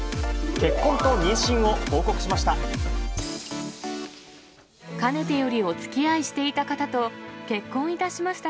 結婚と妊娠を報告しました。